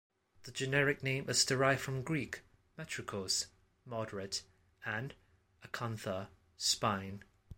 The generic name is derived from Greek "metrikos", "moderate", and "akantha", "spine".